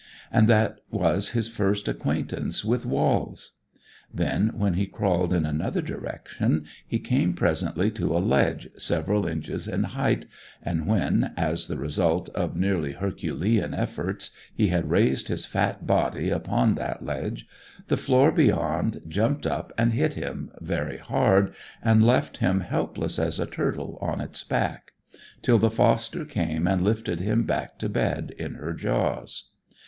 And that was his first acquaintance with walls. Then, when he crawled in another direction, he came presently to a ledge several inches in height, and when, as the result of really herculean efforts, he had raised his fat body upon that ledge, the floor beyond jumped up and hit him very hard, and left him helpless as a turtle on its back, till the foster came and lifted him back to bed in her jaws.